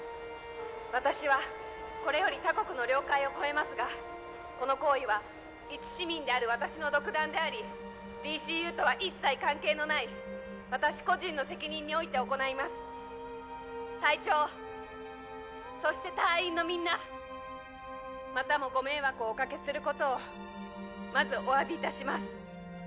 私はこれより他国の領海を越えますがこの行為は一市民である私の独断でありＤＣＵとは一切関係のない私個人の責任において行います隊長そして隊員のみんなまたもご迷惑をおかけすることをまずお詫びいたします